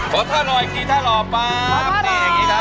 ขอเจ้าหลอดอีกทีขอเจ้าหล่อป้า